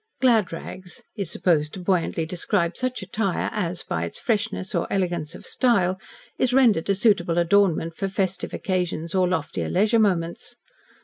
"Glad rags" is supposed to buoyantly describe such attire as, by its freshness or elegance of style, is rendered a suitable adornment for festive occasions or loftier leisure moments.